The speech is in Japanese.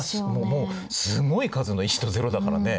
もうすごい数の１と０だからね。